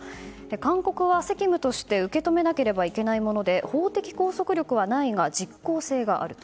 勧告は責務として受け止めなければならないもので法的拘束力はないが実効性はある。